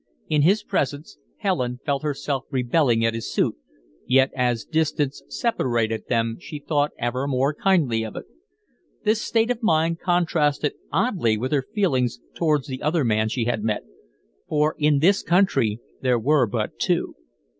In his presence, Helen felt herself rebelling at his suit, yet as distance separated them she thought ever more kindly of it. This state of mind contrasted oddly with her feelings towards the other man she had met, for in this country there were but two.